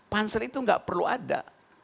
panser itu gak perlu ada